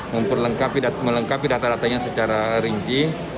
memperlengkapi data datanya secara rinci